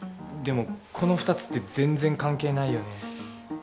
でもこの２つって全然関係ないよね。